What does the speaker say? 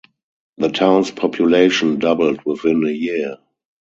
The town's population doubled within a year.